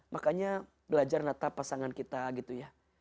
makanya belajar natap pasangan kita gitu ya